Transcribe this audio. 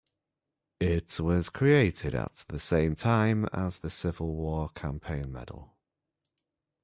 It was created at the same time as the Civil War Campaign Medal.